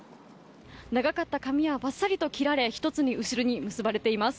長かった髪はバッサリと切られ１つに後ろに結ばれています。